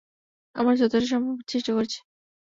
আমার যতটা সম্ভব চেষ্টা করছি।